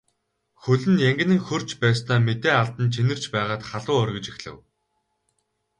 Хөл нь янгинан хөрч байснаа мэдээ алдан чинэрч байгаад халуу оргиж эхлэв.